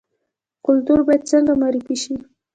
کلتور باید څنګه معرفي شي؟